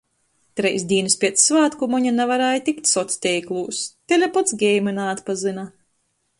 Treis dīnys piec svātku Moņa navarēja tikt socteiklūs. Telepons geima naatpazyna.